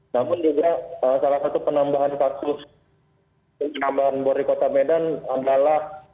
namun juga salah satu penambahan kasus penambahan bor di kota medan adalah